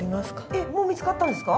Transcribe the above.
えっもう見つかったんですか？